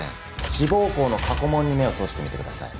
志望校の過去問に目を通してみてください。